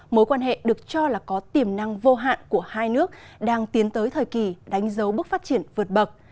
mối quan hệ được cho là có tiềm năng vô hạn của hai nước đang tiến tới thời kỳ đánh dấu bước phát triển vượt bậc